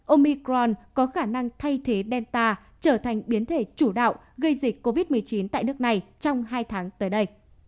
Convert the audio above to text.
omicron có khả năng thay thế delta trở thành biến thể chủ đạo gây dịch covid một mươi chín tại nước này trong hai tháng tới đây